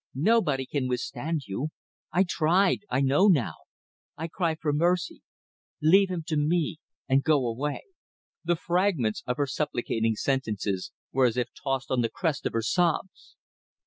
Nobody can withstand you. ... I tried. ... I know now .... I cry for mercy. Leave him to me and go away." The fragments of her supplicating sentences were as if tossed on the crest of her sobs.